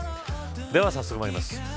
では早速まいります。